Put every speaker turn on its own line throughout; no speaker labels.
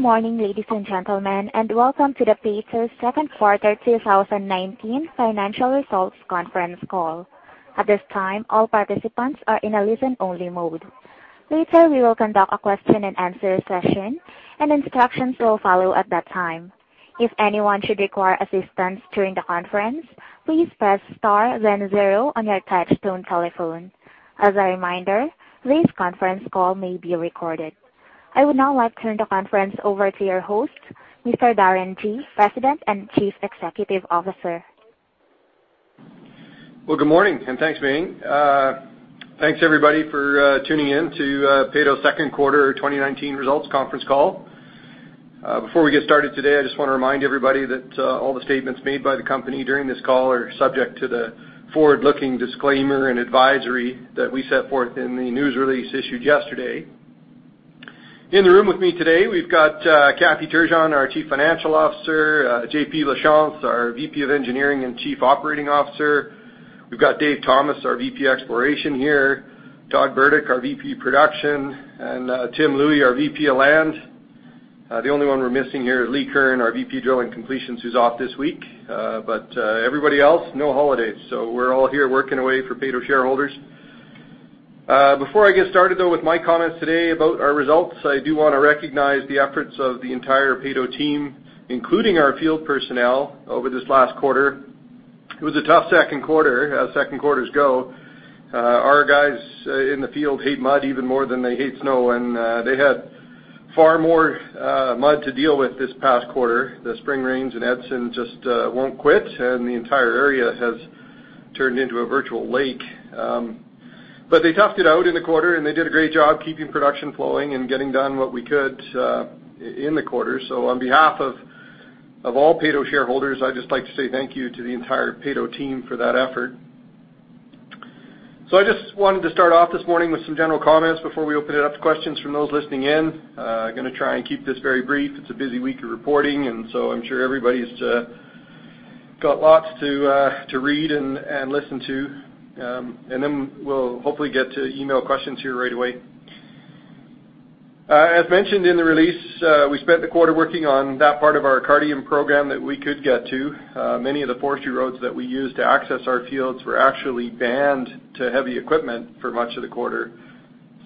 Good morning, ladies and gentlemen, and welcome to the Peyto second quarter 2019 financial results conference call. At this time, all participants are in a listen-only mode. Later, we will conduct a question and answer session, and instructions will follow at that time. If anyone should require assistance during the conference, please press star then zero on your touchtone telephone. As a reminder, this conference call may be recorded. I would now like to turn the conference over to your host, Mr. Darren Gee, President and Chief Executive Officer.
Good morning, and thanks, Ming. Thanks, everybody, for tuning in to Peyto's second quarter 2019 results conference call. Before we get started today, I just want to remind everybody that all the statements made by the company during this call are subject to the forward-looking disclaimer and advisory that we set forth in the news release issued yesterday. In the room with me today, we've got Kathy Turgeon, our Chief Financial Officer, J.P. Lachance, our VP of Engineering and Chief Operating Officer. We've got Dave Thomas, our VP Exploration here, Todd Burdick, our VP Production, and Tim Louie, our VP of Land. The only one we're missing here, Lee Curran, our VP Drilling and Completions, who's off this week. Everybody else, no holidays. We're all here working away for Peyto shareholders. Before I get started, though, with my comments today about our results, I do want to recognize the efforts of the entire Peyto team, including our field personnel, over this last quarter. It was a tough second quarter, as second quarters go. Our guys in the field hate mud even more than they hate snow, and they had far more mud to deal with this past quarter. The spring rains in Edson just won't quit, and the entire area has turned into a virtual lake. They toughed it out in the quarter, and they did a great job keeping production flowing and getting done what we could in the quarter. On behalf of all Peyto shareholders, I'd just like to say thank you to the entire Peyto team for that effort. I just wanted to start off this morning with some general comments before we open it up to questions from those listening in. Going to try and keep this very brief. It's a busy week of reporting, I'm sure everybody's got lots to read and listen to. We'll hopefully get to email questions here right away. As mentioned in the release, we spent the quarter working on that part of our Cardium program that we could get to. Many of the forestry roads that we use to access our fields were actually banned to heavy equipment for much of the quarter.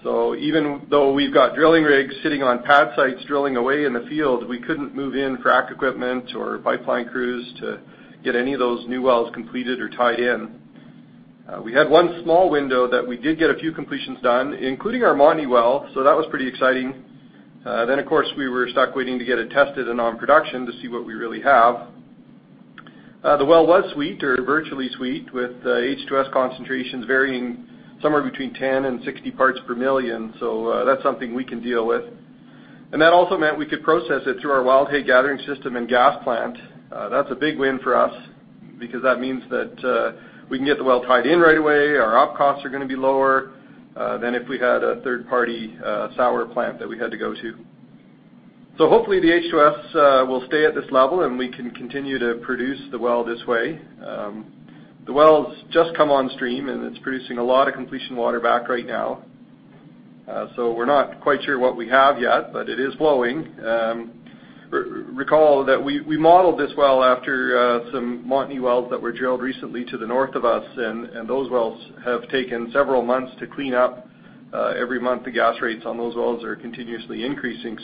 Even though we've got drilling rigs sitting on pad sites drilling away in the field, we couldn't move in frack equipment or pipeline crews to get any of those new wells completed or tied in. We had one small window that we did get a few completions done, including our Montney well. That was pretty exciting. Of course, we were stuck waiting to get it tested and on production to see what we really have. The well was sweet or virtually sweet with H2S concentrations varying somewhere between 10 and 60 parts per million. That's something we can deal with. That also meant we could process it through our Wildhay gathering system and gas plant. That's a big win for us because that means that we can get the well tied in right away. Our op costs are going to be lower than if we had a third-party sour plant that we had to go to. Hopefully, the H2S will stay at this level, and we can continue to produce the well this way. The well's just come on stream, and it's producing a lot of completion water back right now. We're not quite sure what we have yet, but it is flowing. Recall that we modeled this well after some Montney wells that were drilled recently to the north of us, and those wells have taken several months to clean up. Every month, the gas rates on those wells are continuously increasing.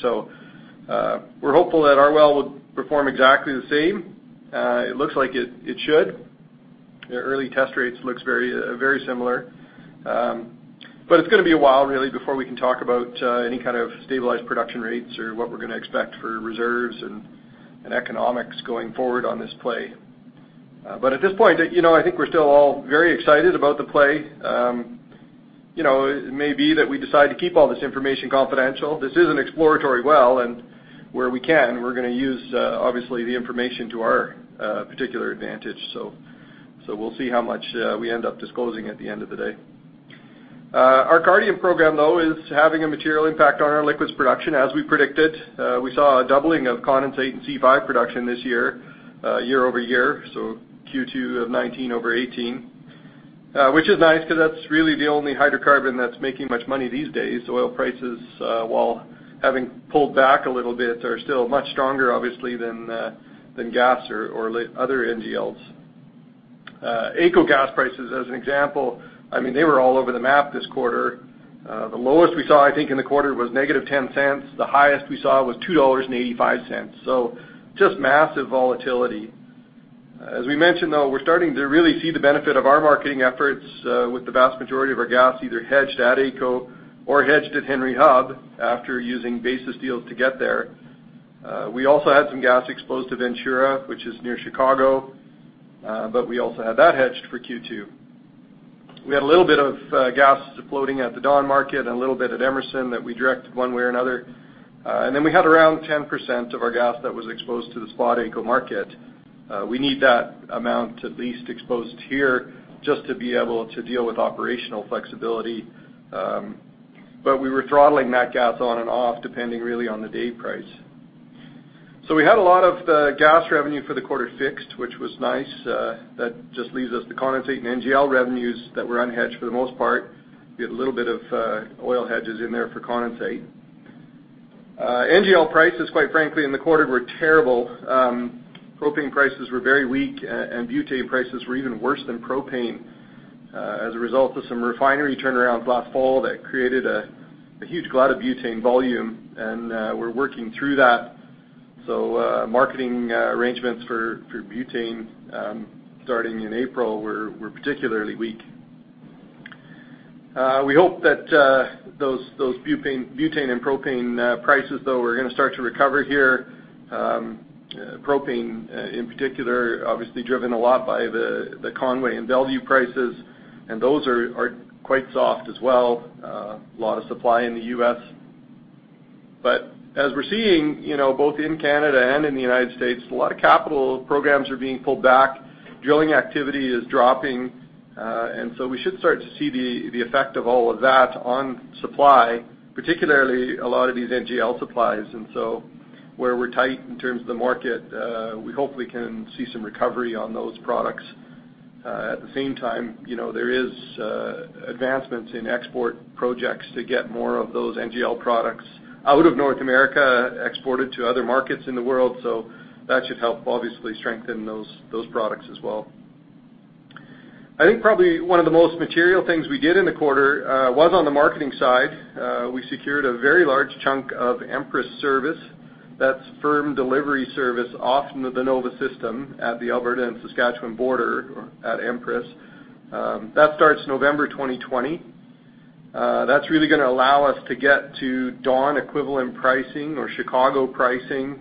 We're hopeful that our well would perform exactly the same. It looks like it should. The early test rates looks very similar. It's going to be a while really before we can talk about any kind of stabilized production rates or what we're going to expect for reserves and economics going forward on this play. At this point, I think we're still all very excited about the play. It may be that we decide to keep all this information confidential. This is an exploratory well. Where we can, we're going to use, obviously, the information to our particular advantage. We'll see how much we end up disclosing at the end of the day. Our Cardium program, though, is having a material impact on our liquids production as we predicted. We saw a doubling of condensate and C5 production this year-over-year, Q2 2019 over 2018, which is nice because that's really the only hydrocarbon that's making much money these days. Oil prices, while having pulled back a little bit, are still much stronger, obviously, than gas or other NGLs. AECO gas prices, as an example, they were all over the map this quarter. The lowest we saw, I think, in the quarter was negative 0.10. The highest we saw was 2.85 dollars. Just massive volatility. As we mentioned, though, we're starting to really see the benefit of our marketing efforts with the vast majority of our gas either hedged at AECO or hedged at Henry Hub after using basis deals to get there. We also had some gas exposed to Ventura, which is near Chicago, but we also had that hedged for Q2. We had a little bit of gas floating at the Dawn market and a little bit at Emerson that we directed one way or another. We had around 10% of our gas that was exposed to the spot AECO market. We need that amount at least exposed here just to be able to deal with operational flexibility. We were throttling that gas on and off depending really on the day price. We had a lot of the gas revenue for the quarter fixed, which was nice. That just leaves us the condensate and NGL revenues that were unhedged for the most part. We had a little bit of oil hedges in there for condensate. NGL prices, quite frankly, in the quarter were terrible. Propane prices were very weak, and butane prices were even worse than propane as a result of some refinery turnaround last fall that created a huge glut of butane volume, and we're working through that. Marketing arrangements for butane starting in April were particularly weak. We hope that those butane and propane prices, though, are going to start to recover here. Propane in particular, obviously driven a lot by the Conway and Mont Belvieu prices, and those are quite soft as well. A lot of supply in the U.S. As we're seeing, both in Canada and in the United States, a lot of capital programs are being pulled back. Drilling activity is dropping. We should start to see the effect of all of that on supply, particularly a lot of these NGL supplies. Where we're tight in terms of the market, we hope we can see some recovery on those products. At the same time, there is advancements in export projects to get more of those NGL products out of North America, exported to other markets in the world. That should help obviously strengthen those products as well. I think probably one of the most material things we did in the quarter was on the marketing side. We secured a very large chunk of Empress service. That's firm delivery service off the NOVA system at the Alberta and Saskatchewan border at Empress. That starts November 2020. That's really going to allow us to get to Dawn equivalent pricing or Chicago pricing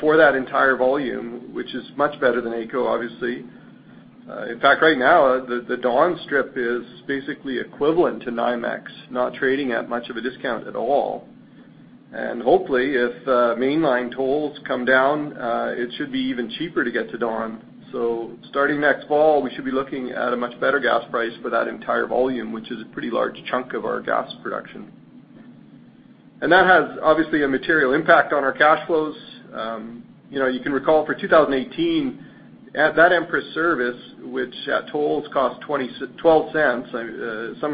for that entire volume, which is much better than AECO, obviously. In fact, right now, the Dawn strip is basically equivalent to NYMEX, not trading at much of a discount at all. Hopefully, if mainline tolls come down, it should be even cheaper to get to Dawn. Starting next fall, we should be looking at a much better gas price for that entire volume, which is a pretty large chunk of our gas production. That has obviously a material impact on our cash flows. You can recall for 2018, at that Empress service, which at tolls cost somewhere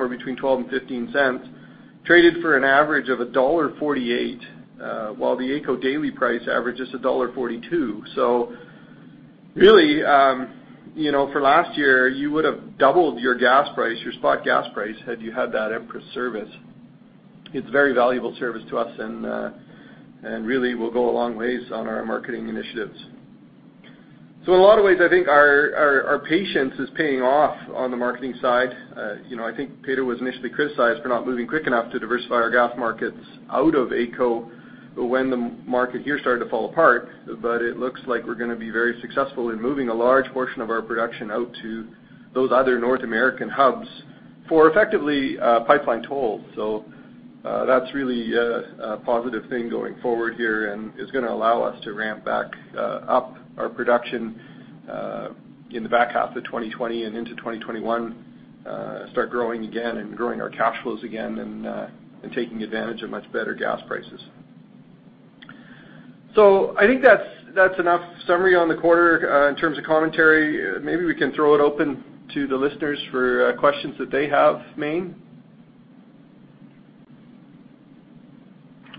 between 0.12 and 0.15, traded for an average of dollar 1.48, while the AECO daily price average is dollar 1.42. Really, for last year, you would have doubled your spot gas price had you had that Empress service. It's a very valuable service to us and really will go a long way on our marketing initiatives. In a lot of ways, I think our patience is paying off on the marketing side. I think Peyto was initially criticized for not moving quick enough to diversify our gas markets out of AECO when the market here started to fall apart. It looks like we're going to be very successful in moving a large portion of our production out to those other North American hubs for effectively pipeline tolls. That's really a positive thing going forward here and is going to allow us to ramp back up our production in the back half of 2020 and into 2021, start growing again and growing our cash flows again and taking advantage of much better gas prices. I think that's enough summary on the quarter in terms of commentary. Maybe we can throw it open to the listeners for questions that they have. Maine?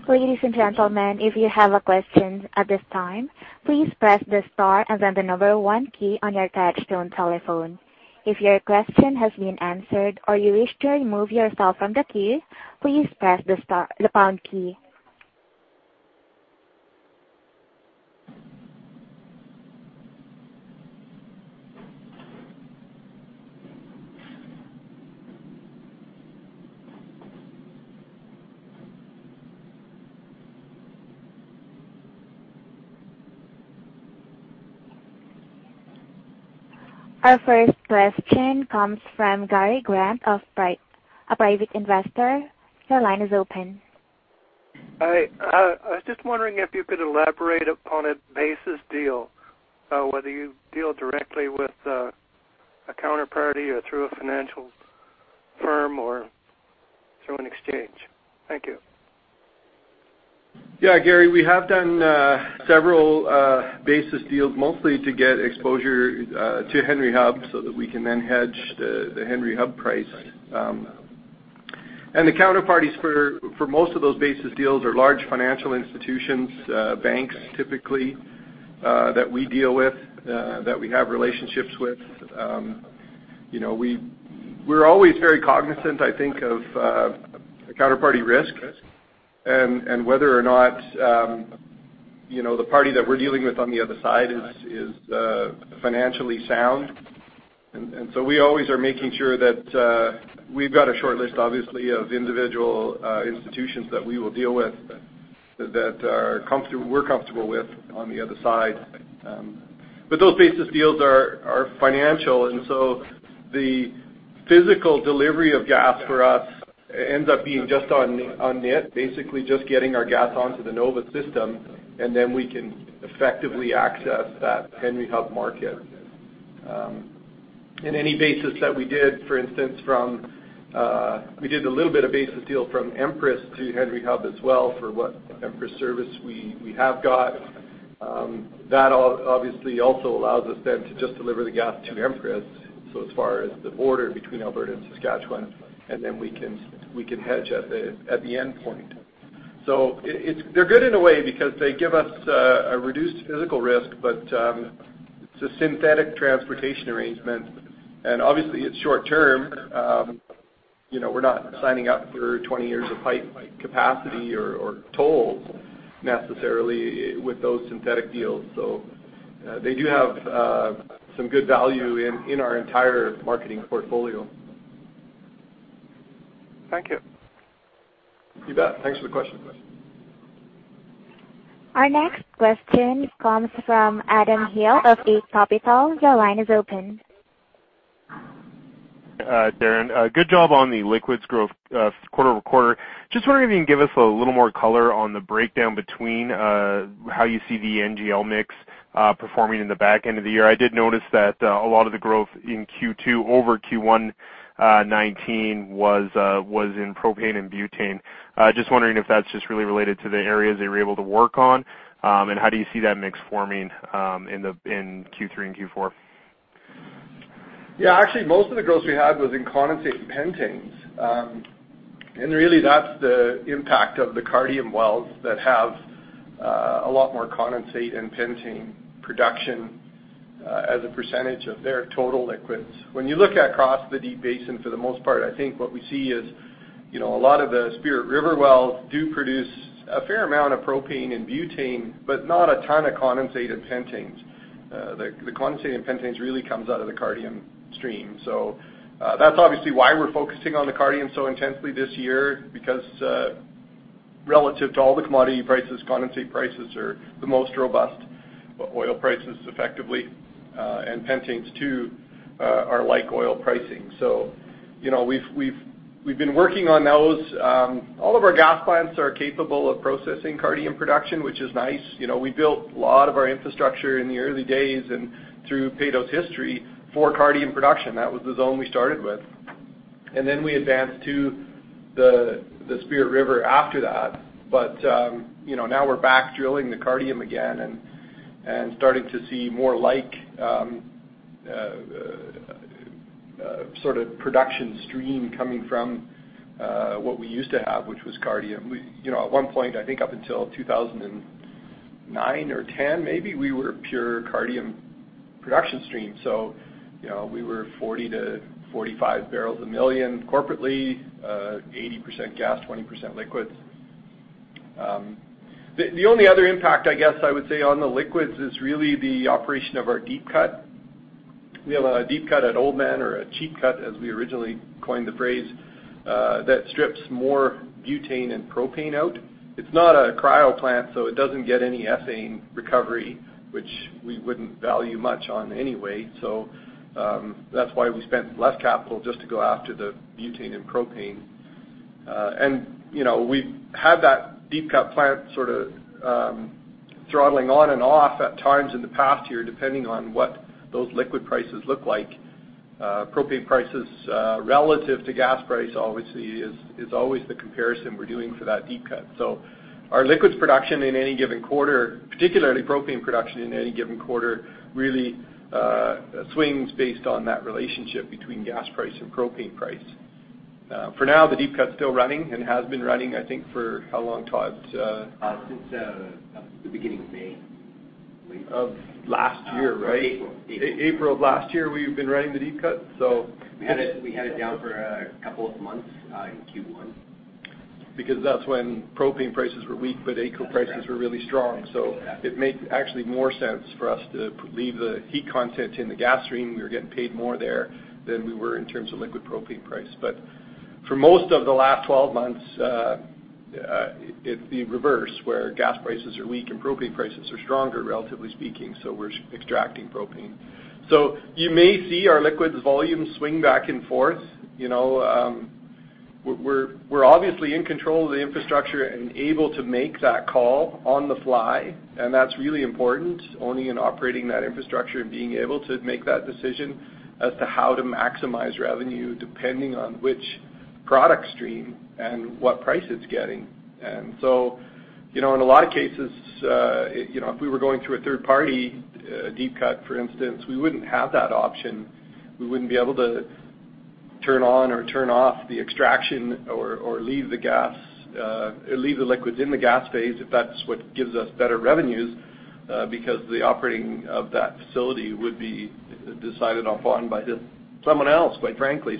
Ladies and gentlemen, if you have a question at this time, please press the star and then the number one key on your touch-tone telephone. If your question has been answered or you wish to remove yourself from the queue, please press the pound key. Our first question comes from Gary Grant, a private investor. Your line is open. Hi. I was just wondering if you could elaborate upon a basis deal, whether you deal directly with a counterparty or through a financial firm or through an exchange. Thank you.
Yeah, Gary, we have done several basis deals mostly to get exposure to Henry Hub so that we can then hedge the Henry Hub price. The counterparties for most of those basis deals are large financial institutions, banks, typically, that we deal with, that we have relationships with. We're always very cognizant, I think, of the counterparty risk and whether or not the party that we're dealing with on the other side is financially sound. We always are making sure that we've got a shortlist, obviously, of individual institutions that we will deal with that we're comfortable with on the other side. Those basis deals are financial, and so the physical delivery of gas for us ends up being just on net, basically just getting our gas onto the NOVA system, and then we can effectively access that Henry Hub market. Any basis that we did, for instance, we did a little bit of basis deal from Empress to Henry Hub as well for what Empress service we have got. That obviously also allows us then to just deliver the gas to Empress, so as far as the border between Alberta and Saskatchewan, and then we can hedge at the end point. They're good in a way because they give us a reduced physical risk, but it's a synthetic transportation arrangement, and obviously, it's short term. We're not signing up for 20 years of pipe capacity or tolls necessarily with those synthetic deals. They do have some good value in our entire marketing portfolio. Thank you. You bet. Thanks for the question.
Our next question comes from Adam Hill of Eight Capital. Your line is open.
Hi, Darren. Good job on the liquids growth quarter-over-quarter. Just wondering if you can give us a little more color on the breakdown between how you see the NGL mix performing in the back end of the year. I did notice that a lot of the growth in Q2 over Q1 2019 was in propane and butane. Just wondering if that's just really related to the areas that you were able to work on, and how do you see that mix forming in Q3 and Q4?
Yeah. Actually, most of the growth we had was in condensate and pentanes. Really that's the impact of the Cardium wells that have a lot more condensate and pentane production as a percentage of their total liquids. When you look at across the Deep Basin, for the most part, I think what we see is a lot of the Spirit River wells do produce a fair amount of propane and butane, but not a ton of condensate and pentanes. The condensate and pentanes really comes out of the Cardium stream. That's obviously why we're focusing on the Cardium so intensely this year, because, relative to all the commodity prices, condensate prices are the most robust, but oil prices effectively, and pentanes too, are like oil pricing. We've been working on those. All of our gas plants are capable of processing Cardium production, which is nice. We built a lot of our infrastructure in the early days and through Peyto's history for Cardium production. That was the zone we started with. Then we advanced to the Spirit River after that. Now we're back drilling the Cardium again and starting to see more like production stream coming from what we used to have, which was Cardium. At one point, I think up until 2009 or 2010 maybe, we were pure Cardium production stream. We were 40 to 45 barrels a million corporately, 80% gas, 20% liquids. The only other impact, I guess I would say on the liquids is really the operation of our deep-cut. We have a deep-cut at Oldman or a cheap cut, as we originally coined the phrase, that strips more butane and propane out. It's not a cryo plant, so it doesn't get any ethane recovery, which we wouldn't value much on anyway. That's why we spent less capital just to go after the butane and propane. We've had that deep cut plant sort of throttling on and off at times in the past year, depending on what those liquid prices look like. Propane prices, relative to gas price obviously is always the comparison we're doing for that deep cut. Our liquids production in any given quarter, particularly propane production in any given quarter, really swings based on that relationship between gas price and propane price. For now, the deep cut's still running and has been running, I think for how long, Todd?
Since the beginning of May.
Of last year, right?
April.
April of last year, we've been running the deep-cut.
We had it down for a couple of months in Q1.
That's when propane prices were weak, but AECO prices were really strong. It made actually more sense for us to leave the heat content in the gas stream. We were getting paid more there than we were in terms of liquid propane price. For most of the last 12 months, it'd be reverse, where gas prices are weak and propane prices are stronger, relatively speaking, so we're extracting propane. You may see our liquids volume swing back and forth. We're obviously in control of the infrastructure and able to make that call on the fly, and that's really important, owning and operating that infrastructure and being able to make that decision as to how to maximize revenue depending on which product stream and what price it's getting. In a lot of cases, if we were going through a third party, a deep cut for instance, we wouldn't have that option. We wouldn't be able to turn on or turn off the extraction or leave the liquids in the gas phase if that's what gives us better revenues, because the operating of that facility would be decided upon by someone else, quite frankly.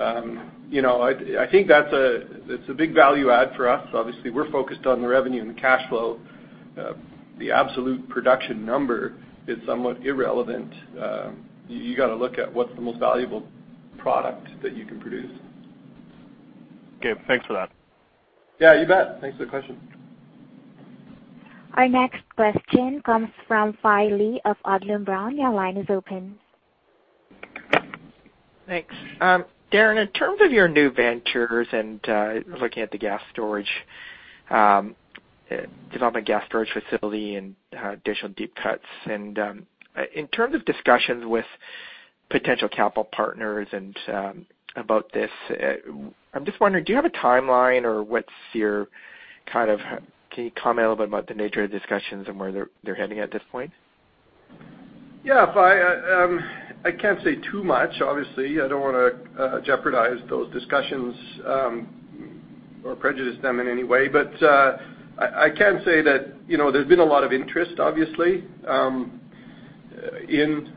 I think it's a big value add for us. Obviously, we're focused on the revenue and the cash flow. The absolute production number is somewhat irrelevant. You got to look at what's the most valuable product that you can produce.
Okay, thanks for that.
Yeah, you bet. Thanks for the question.
Our next question comes from Fai Lee of Odlum Brown. Your line is open.
Thanks. Darren, in terms of your new ventures and looking at the development gas storage facility and additional deep-cuts, in terms of discussions with potential capital partners about this, I'm just wondering, do you have a timeline or can you comment a little bit about the nature of the discussions and where they're heading at this point?
Yeah, I can't say too much, obviously. I don't want to jeopardize those discussions or prejudice them in any way. I can say that there's been a lot of interest, obviously, in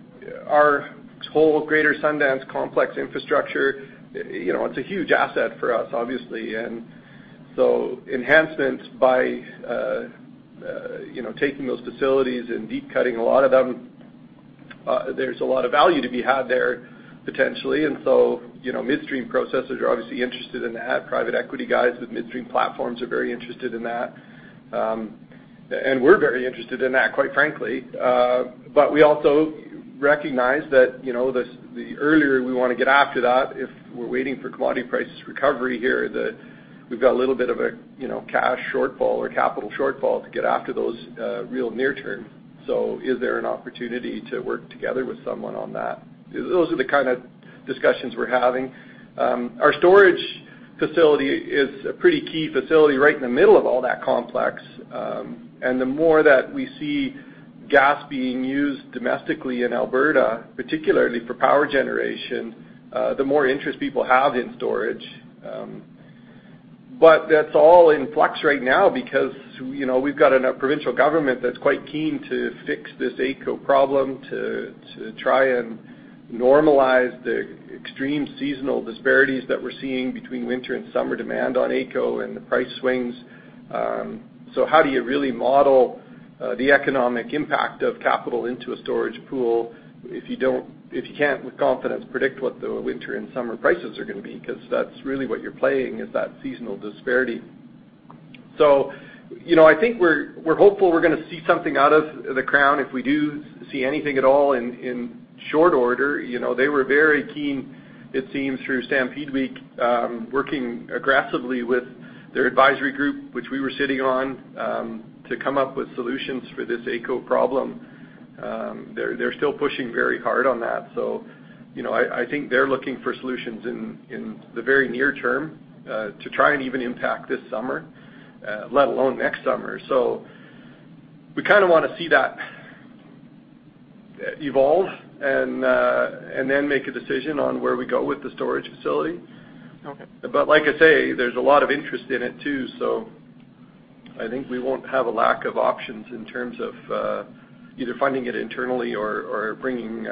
our whole greater Sundance complex infrastructure. It's a huge asset for us, obviously, enhancements by taking those facilities and deep-cutting a lot of them, there's a lot of value to be had there potentially. Midstream processors are obviously interested in that. Private equity guys with midstream platforms are very interested in that. We're very interested in that, quite frankly. We also recognize that the earlier we want to get after that, if we're waiting for commodity prices recovery here, we've got a little bit of a cash shortfall or capital shortfall to get after those real near-term. Is there an opportunity to work together with someone on that? Those are the kind of discussions we're having. Our storage facility is a pretty key facility right in the middle of all that complex. The more that we see gas being used domestically in Alberta, particularly for power generation, the more interest people have in storage. That's all in flux right now because we've got a provincial government that's quite keen to fix this AECO problem to try and normalize the extreme seasonal disparities that we're seeing between winter and summer demand on AECO and the price swings. How do you really model the economic impact of capital into a storage pool if you can't, with confidence, predict what the winter and summer prices are going to be? That's really what you're playing is that seasonal disparity. I think we're hopeful we're going to see something out of the Crown if we do see anything at all in short order. They were very keen, it seems, through Stampede Week, working aggressively with their advisory group, which we were sitting on, to come up with solutions for this AECO problem. They're still pushing very hard on that. I think they're looking for solutions in the very near term to try and even impact this summer, let alone next summer. We want to see that evolve and then make a decision on where we go with the storage facility.
Okay.
Like I say, there's a lot of interest in it, too, so I think we won't have a lack of options in terms of either funding it internally or bringing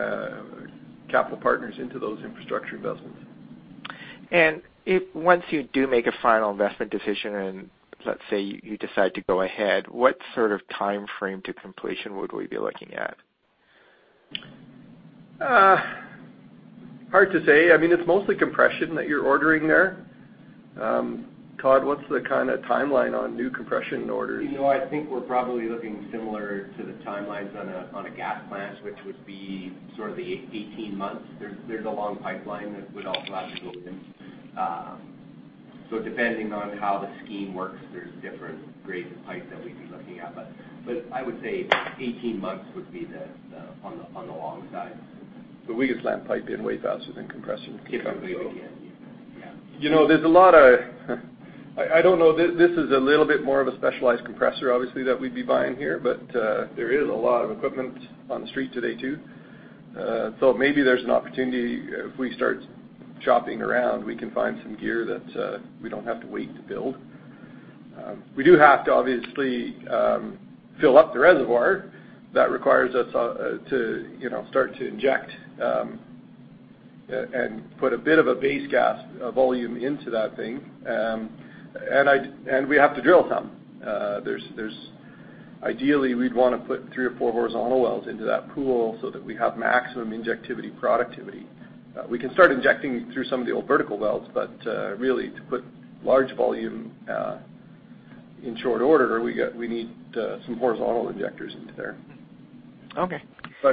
capital partners into those infrastructure investments.
If once you do make a final investment decision and let's say you decide to go ahead, what sort of timeframe to completion would we be looking at?
Hard to say. It's mostly compression that you're ordering there. Todd, what's the timeline on new compression orders?
I think we're probably looking similar to the timelines on a gas plant, which would be sort of the 18 months. There's a long pipeline that would also have to go in. Depending on how the scheme works, there's different grades of pipe that we'd be looking at. I would say 18 months would be on the long side.
We just land pipe in way faster than compression equipment.
Typically, yeah.
This is a little bit more of a specialized compressor, obviously, that we'd be buying here, but there is a lot of equipment on the street today, too. Maybe there's an opportunity if we start shopping around, we can find some gear that we don't have to wait to build. We do have to obviously fill up the reservoir. That requires us to start to inject and put a bit of a base gas volume into that thing. We have to drill some. Ideally, we'd want to put three or four horizontal wells into that pool so that we have maximum injectivity productivity. We can start injecting through some of the old vertical wells, but really to put large volume in short order, we need some horizontal injectors into there.
Okay,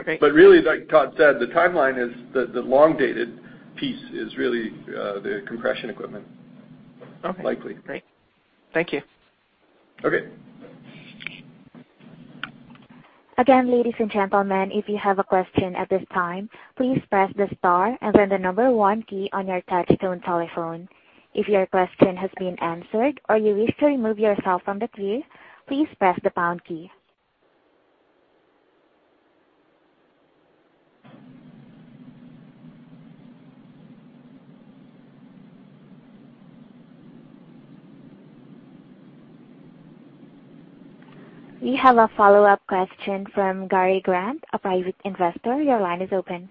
great.
Really, like Todd said, the timeline is the long-dated piece is really the compression equipment.
Okay.
Likely.
Great. Thank you.
Okay.
Again, ladies and gentlemen, if you have a question at this time, please press the star and then the number one key on your touch-tone telephone. If your question has been answered or you wish to remove yourself from the queue, please press the pound key. We have a follow-up question from Gary Grant, a private investor. Your line is open.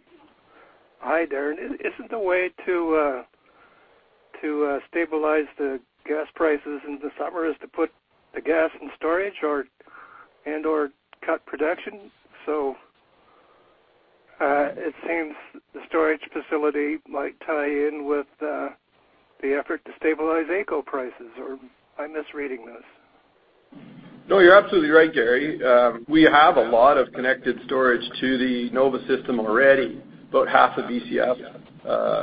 Hi, Darren. Isn't the way to stabilize the gas prices in the summer is to put the gas in storage and/or cut production? It seems the storage facility might tie in with the effort to stabilize AECO prices, or am I misreading this?
No, you're absolutely right, Gary. We have a lot of connected storage to the NOVA system already, about half a Bcf,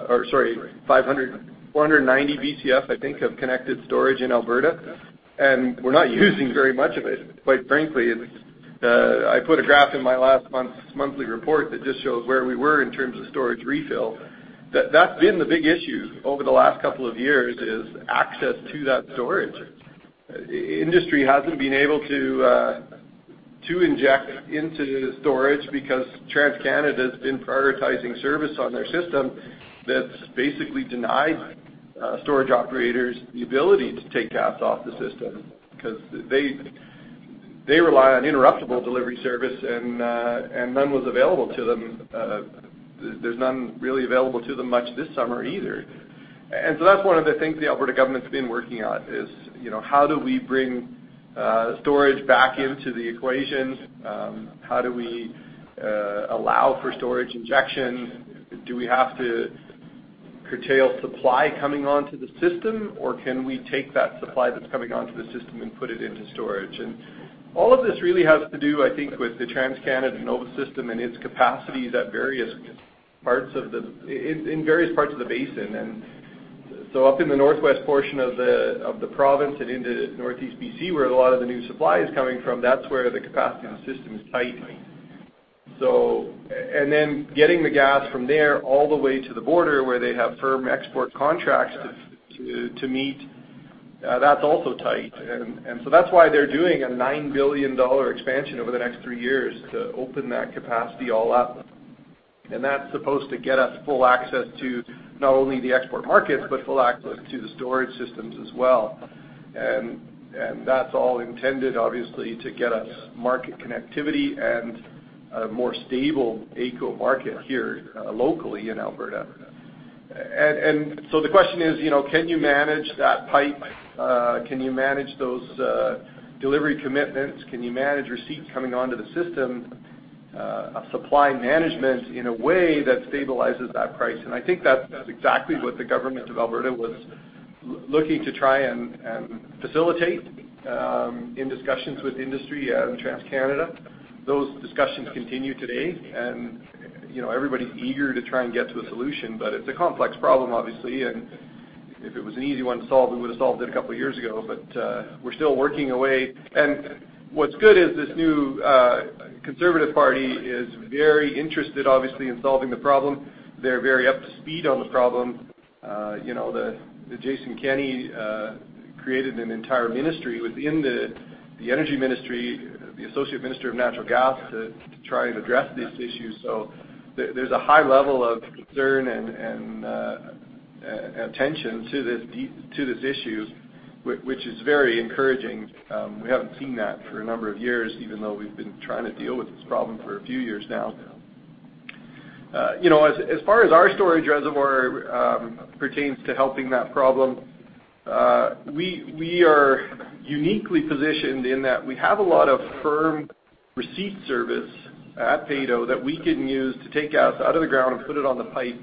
or sorry, 490 Bcf, I think, of connected storage in Alberta, and we're not using very much of it, quite frankly. I put a graph in my last month's monthly report that just shows where we were in terms of storage refill. That's been the big issue over the last couple of years, is access to that storage. Industry hasn't been able to inject into storage because TransCanada's been prioritizing service on their system that's basically denied storage operators the ability to take gas off the system, because they rely on interruptible delivery service, and none was available to them. There's none really available to them much this summer either. That's one of the things the Alberta government's been working on is how do we bring storage back into the equation? How do we allow for storage injection? Do we have to curtail supply coming onto the system, or can we take that supply that's coming onto the system and put it into storage? All of this really has to do, I think, with the TransCanada NOVA system and its capacities in various parts of the basin. Up in the northwest portion of the province and into Northeast B.C., where a lot of the new supply is coming from, that's where the capacity of the system is tight. Getting the gas from there all the way to the border where they have firm export contracts to meet, that's also tight. That's why they're doing a 9 billion dollar expansion over the next three years to open that capacity all up. That's supposed to get us full access to not only the export markets, but full access to the storage systems as well. That's all intended, obviously, to get us market connectivity and a more stable AECO market here locally in Alberta. The question is, can you manage that pipe? Can you manage those delivery commitments? Can you manage receipts coming onto the system of supply management in a way that stabilizes that price? I think that's exactly what the government of Alberta was looking to try and facilitate in discussions with industry and TransCanada. Those discussions continue today, and everybody's eager to try and get to a solution, but it's a complex problem, obviously. If it was an easy one to solve, we would've solved it a couple of years ago, but we're still working away. What's good is this new Conservative Party is very interested, obviously, in solving the problem. They're very up to speed on the problem. Jason Kenney created an entire ministry within the energy ministry, the Associate Minister of Natural Gas, to try and address these issues. There's a high level of concern and attention to this issue, which is very encouraging. We haven't seen that for a number of years, even though we've been trying to deal with this problem for a few years now. As far as our storage reservoir pertains to helping that problem, we are uniquely positioned in that we have a lot of firm receipt service at Peyto that we can use to take gas out of the ground and put it on the pipe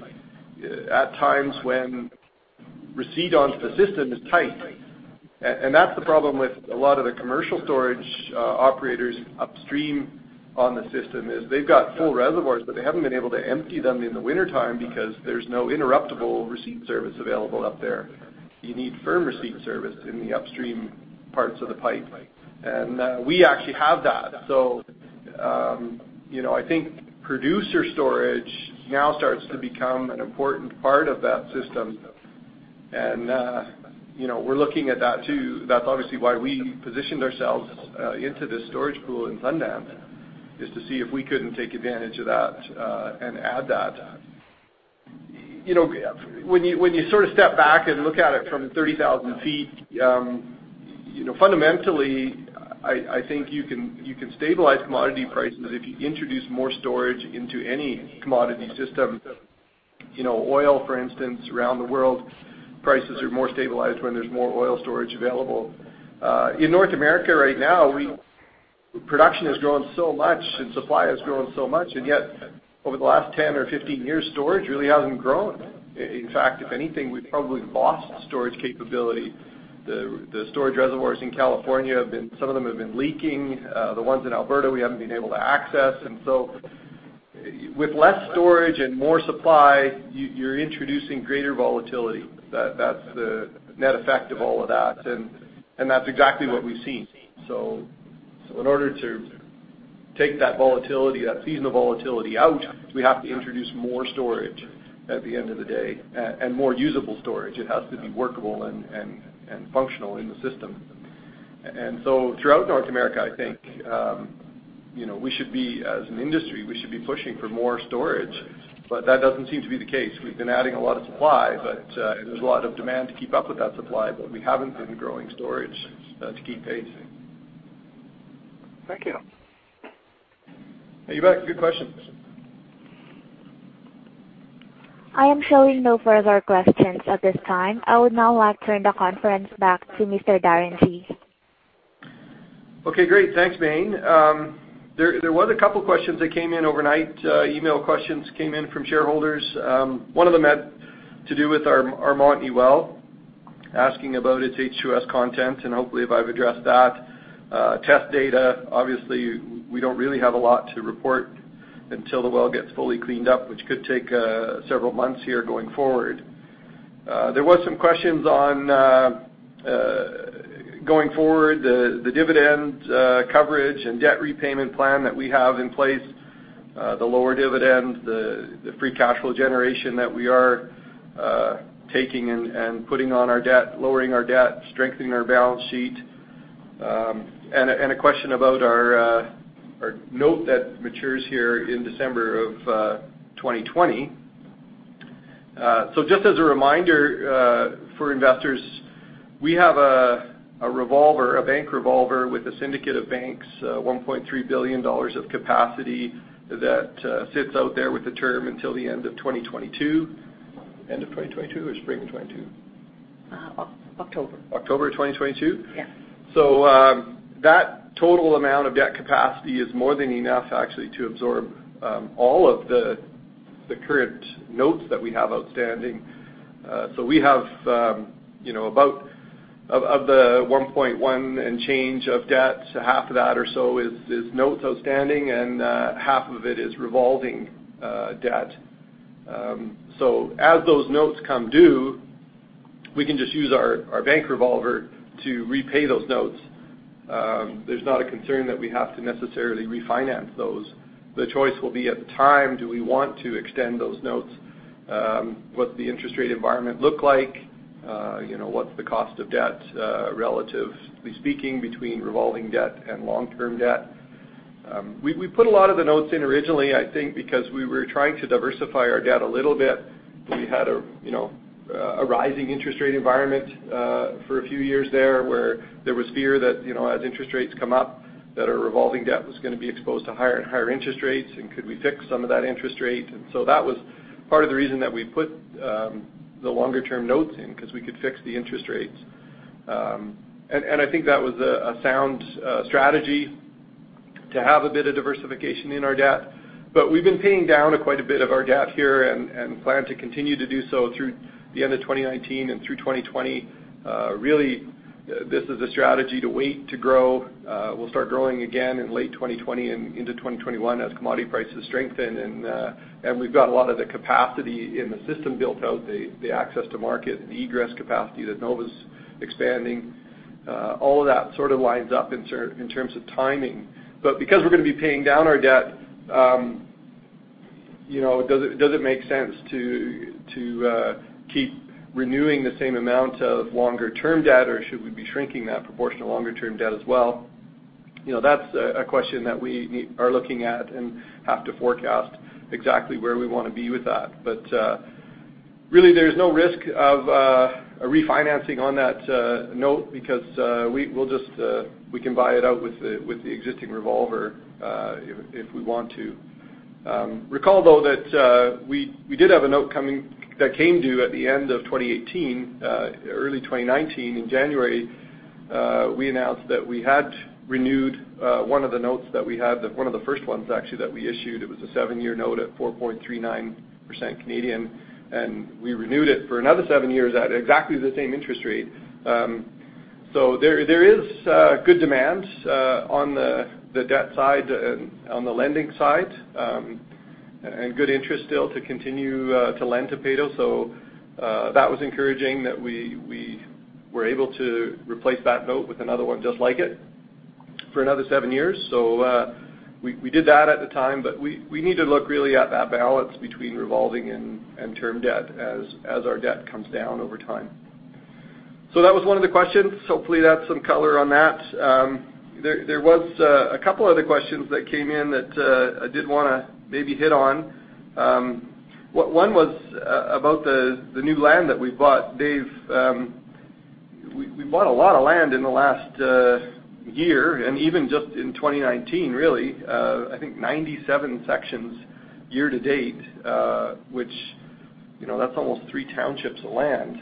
at times when receipt onto the system is tight. That's the problem with a lot of the commercial storage operators upstream on the system, is they've got full reservoirs, but they haven't been able to empty them in the wintertime because there's no interruptible receipt service available up there. You need firm receipt service in the upstream parts of the pipe. We actually have that. I think producer storage now starts to become an important part of that system. We're looking at that, too. That's obviously why we positioned ourselves into this storage pool in Sundance, is to see if we couldn't take advantage of that and add that. When you sort of step back and look at it from 30,000 feet, fundamentally, I think you can stabilize commodity prices if you introduce more storage into any commodity system. Oil, for instance, around the world, prices are more stabilized when there's more oil storage available. In North America right now, production has grown so much and supply has grown so much, and yet over the last 10 or 15 years, storage really hasn't grown. In fact, if anything, we've probably lost storage capability. The storage reservoirs in California, some of them have been leaking. The ones in Alberta, we haven't been able to access. With less storage and more supply, you're introducing greater volatility. That's the net effect of all of that, and that's exactly what we've seen. In order to take that seasonality volatility out, we have to introduce more storage at the end of the day and more usable storage. It has to be workable and functional in the system. Throughout North America, I think, as an industry, we should be pushing for more storage, but that doesn't seem to be the case. We've been adding a lot of supply, but there's a lot of demand to keep up with that supply, but we haven't been growing storage to keep pace. Thank you. You bet. Good question.
I am showing no further questions at this time. I would now like to turn the conference back to Mr. Darren Gee.
Okay, great. Thanks, Maine. There was a couple questions that came in overnight, email questions came in from shareholders. One of them had to do with our Montney well, asking about its H2S content, and hopefully I've addressed that. Test data, obviously, we don't really have a lot to report until the well gets fully cleaned up, which could take several months here going forward. There were some questions on going forward, the dividend coverage, and debt repayment plan that we have in place, the lower dividend, the free cash flow generation that we are taking and putting on our debt, lowering our debt, strengthening our balance sheet, and a question about our note that matures here in December of 2020. Just as a reminder for investors, we have a bank revolver with a syndicate of banks, 1.3 billion dollars of capacity that sits out there with the term until the end of 2022. End of 2022 or spring of 2022? October. October of 2022? Yes. That total amount of debt capacity is more than enough, actually, to absorb all of the current notes that we have outstanding. We have about, of the 1.1 and change of debt, half of that or so is notes outstanding, and half of it is revolving debt. As those notes come due, we can just use our bank revolver to repay those notes. There's not a concern that we have to necessarily refinance those. The choice will be at the time, do we want to extend those notes? What's the interest rate environment look like? What's the cost of debt, relatively speaking, between revolving debt and long-term debt? We put a lot of the notes in originally, I think, because we were trying to diversify our debt a little bit. We had a rising interest rate environment for a few years there, where there was fear that as interest rates come up, that our revolving debt was going to be exposed to higher and higher interest rates, and could we fix some of that interest rate? That was part of the reason that we put the longer-term notes in, because we could fix the interest rates. I think that was a sound strategy to have a bit of diversification in our debt. We've been paying down quite a bit of our debt here and plan to continue to do so through the end of 2019 and through 2020. Really, this is a strategy to wait to grow. We'll start growing again in late 2020 and into 2021 as commodity prices strengthen. We've got a lot of the capacity in the system built out, the access to market, the egress capacity that NOVA's expanding. All of that sort of lines up in terms of timing. Because we're going to be paying down our debt, does it make sense to keep renewing the same amount of longer-term debt, or should we be shrinking that proportion of longer-term debt as well? That's a question that we are looking at and have to forecast exactly where we want to be with that. Really there's no risk of a refinancing on that note because we can buy it out with the existing revolver if we want to. Recall, though, that we did have a note that came due at the end of 2018. Early 2019, in January, we announced that we had renewed one of the notes that we had, one of the first ones actually that we issued. It was a seven-year note at 4.39% Canadian, and we renewed it for another seven years at exactly the same interest rate. There is good demand on the debt side, on the lending side, and good interest still to continue to lend to Peyto. That was encouraging that we were able to replace that note with another one just like it for another seven years. We did that at the time, but we need to look really at that balance between revolving and term debt as our debt comes down over time. That was one of the questions. Hopefully, that's some color on that. There were a couple other questions that came in that I did want to maybe hit on. One was about the new land that we bought. Dave, we bought a lot of land in the last year, and even just in 2019, really, I think 97 sections year to date which that's almost three townships of land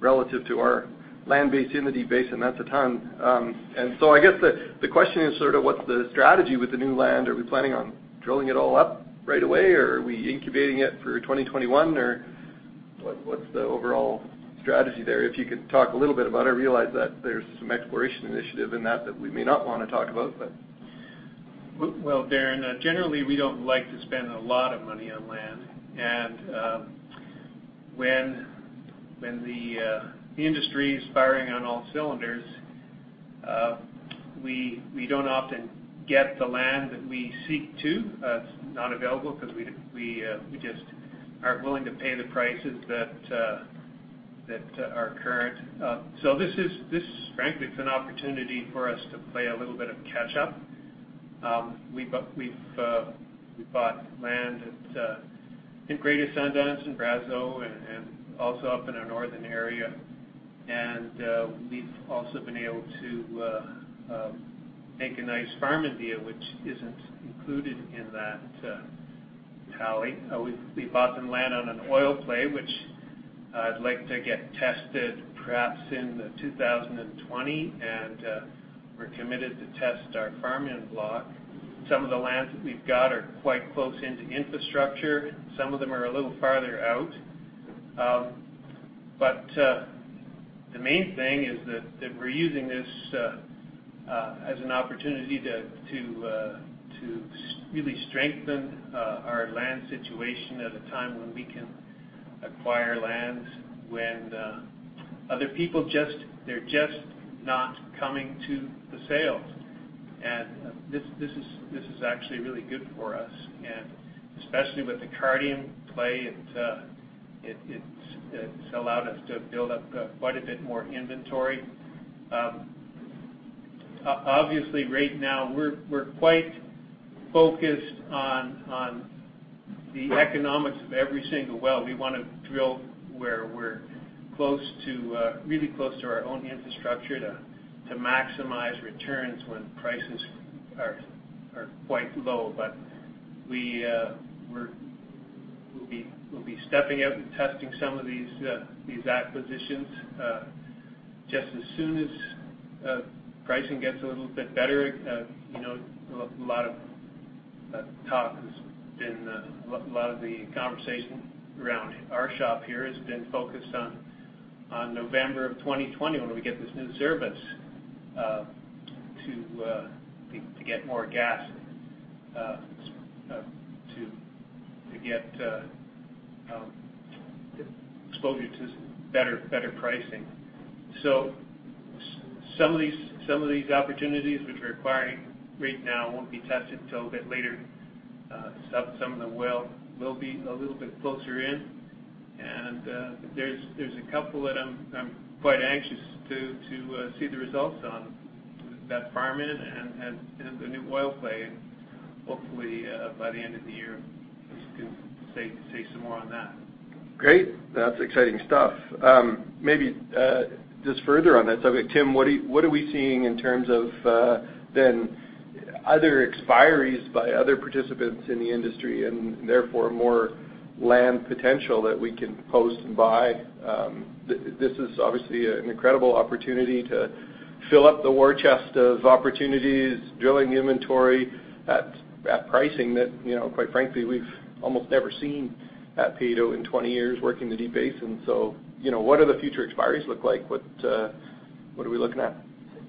relative to our land base in the Deep Basin. That's a ton. I guess the question is sort of what's the strategy with the new land? Are we planning on drilling it all up right away, or are we incubating it for 2021, or what's the overall strategy there? If you could talk a little bit about it. I realize that there's some exploration initiative in that that we may not want to talk about, but
Well, Darren, generally, we don't like to spend a lot of money on land. When the industry's firing on all cylinders, we don't often get the land that we seek to. It's not available because we just aren't willing to pay the prices that are current. This, frankly, is an opportunity for us to play a little bit of catch-up. We've bought land at in Greater Sundance, in Brazeau, and also up in our northern area. We've also been able to make a nice farm-in deal, which isn't included in that tally. We bought some land on an oil play, which I'd like to get tested perhaps in 2020. We're committed to test our farm-in block. Some of the lands that we've got are quite close into infrastructure. Some of them are a little farther out. The main thing is that we're using this as an opportunity to really strengthen our land situation at a time when we can acquire lands, when other people They're just not coming to the sales. This is actually really good for us, and especially with the Cardium play, it's allowed us to build up quite a bit more inventory. Obviously, right now, we're quite focused on the economics of every single well. We want to drill where we're really close to our own infrastructure to maximize returns when prices are quite low. We'll be stepping out and testing some of these acquisitions just as soon as pricing gets a little bit better. A lot of the conversation around our shop here has been focused on November of 2020 when we get this new service to get more gas, to get exposure to better pricing. Some of these opportunities which we're acquiring right now won't be tested till a bit later. Some of them will be a little bit closer in. There's a couple that I'm quite anxious to see the results on that farm-in and the new oil play, and hopefully, by the end of the year, we can say some more on that.
Great. That's exciting stuff. Maybe just further on that subject, Tim, what are we seeing in terms of then other expiries by other participants in the industry and therefore more land potential that we can post and buy? This is obviously an incredible opportunity to fill up the war chest of opportunities, drilling inventory at pricing that, quite frankly, we've almost never seen at Peyto in 20 years working the Deep Basin. What are the future expiries look like? What are we looking at?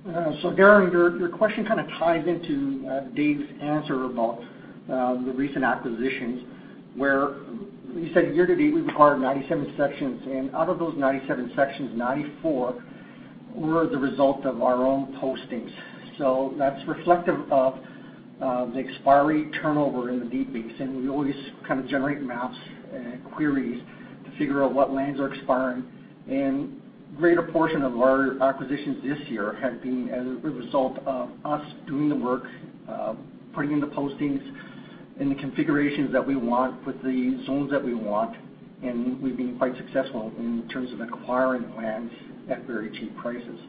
Darren, your question kind of ties into Dave's answer about the recent acquisitions, where you said year to date, we've acquired 97 sections, and out of those 97 sections, 94 were the result of our own postings. That's reflective of the expiry turnover in the Deep Basin. We always kind of generate maps and queries to figure out what lands are expiring. Greater portion of our acquisitions this year have been as a result of us doing the work, putting the postings in the configurations that we want with the zones that we want, and we've been quite successful in terms of acquiring lands at very cheap prices.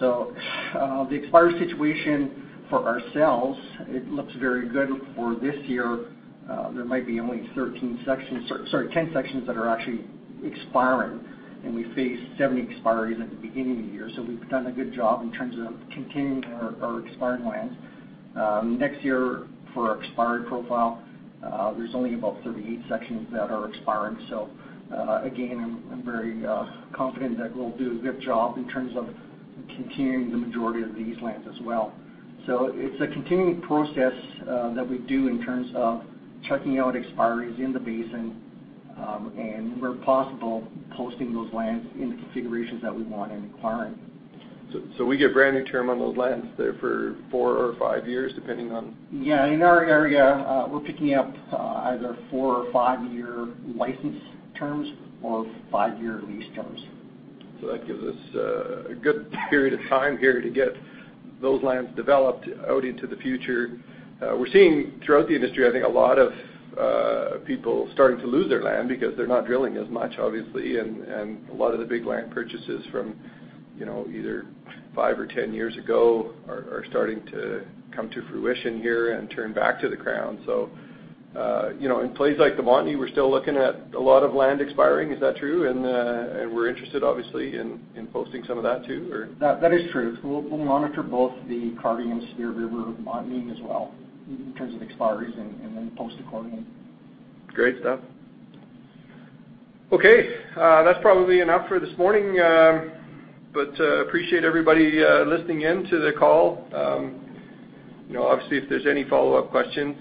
The expiry situation for ourselves, it looks very good for this year. There might be only 13 sections-- Sorry, 10 sections that are actually expiring, and we face 70 expiries at the beginning of the year. We've done a good job in terms of continuing our expiring lands. Next year for our expiry profile, there's only about 38 sections that are expiring. Again, I'm very confident that we'll do a good job in terms of continuing the majority of these lands as well. It's a continuing process that we do in terms of checking out expiries in the basin, and where possible, posting those lands in the configurations that we want and acquiring.
We get brand new term on those lands. They're for four or five years, depending on.
Yeah. In our area, we're picking up either four or five-year license terms or five-year lease terms.
That gives us a good period of time here to get those lands developed out into the future. We're seeing throughout the industry, I think a lot of people starting to lose their land because they're not drilling as much, obviously. A lot of the big land purchases from either five or 10 years ago are starting to come to fruition here and turn back to the Crown. In plays like the Montney, we're still looking at a lot of land expiring. Is that true? We're interested obviously in posting some of that too, or?
That is true. We'll monitor both the Cardium, Spirit River, Montney as well in terms of expiries, and then post accordingly.
Great stuff. Okay. That's probably enough for this morning. Appreciate everybody listening in to the call. Obviously, if there's any follow-up questions,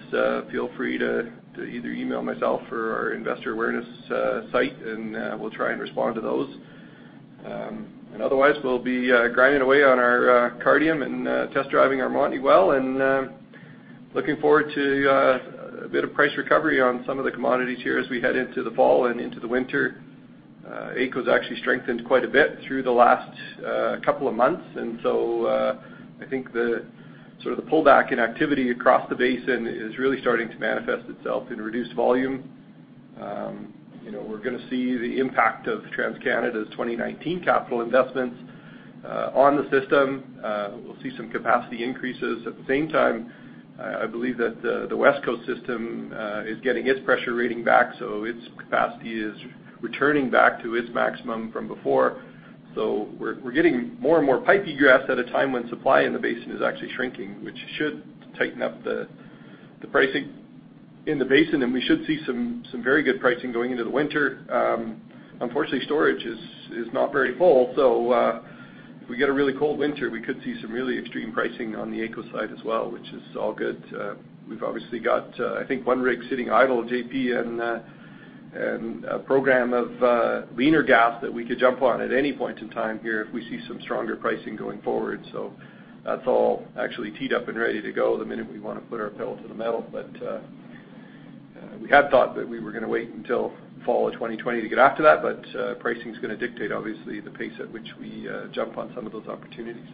feel free to either email myself or our investor awareness site, and we'll try and respond to those. Otherwise, we'll be grinding away on our Cardium and test driving our Montney well and looking forward to a bit of price recovery on some of the commodities here as we head into the fall and into the winter. AECO is actually strengthened quite a bit through the last couple of months, I think the sort of the pullback in activity across the basin is really starting to manifest itself in reduced volume. We're going to see the impact of TransCanada's 2019 capital investments on the system. We'll see some capacity increases. At the same time, I believe that the Westcoast Pipeline system is getting its pressure rating back, its capacity is returning back to its maximum from before. We're getting more and more pipe egress at a time when supply in the basin is actually shrinking, which should tighten up the pricing in the basin, and we should see some very good pricing going into the winter. Unfortunately, storage is not very full, if we get a really cold winter, we could see some really extreme pricing on the AECO side as well, which is all good. We've obviously got I think one rig sitting idle at J.P. and a program of leaner gas that we could jump on at any point in time here if we see some stronger pricing going forward. That's all actually teed up and ready to go the minute we want to put our pedal to the metal. We had thought that we were going to wait until fall of 2020 to get after that, but pricing's going to dictate obviously the pace at which we jump on some of those opportunities.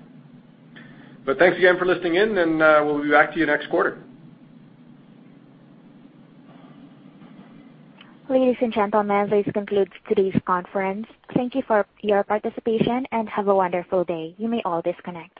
Thanks again for listening in, and we'll be back to you next quarter.
Ladies and gentlemen, this concludes today's conference. Thank you for your participation, and have a wonderful day. You may all disconnect.